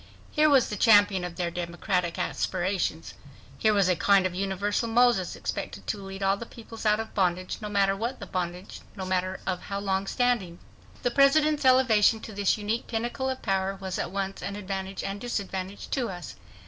Here was the champion of their democratic aspirations. Here was a kind of universal Moses, expected to lead all peoples out of bondage—no matter what the bondage, no matter of how long standing. The President's elevation to this unique pinnacle of power was at once an advantage and a disadvantage to us.